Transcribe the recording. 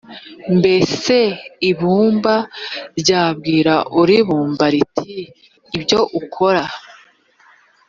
mbese ibumba m ryabwira uribumba riti ibyo ukora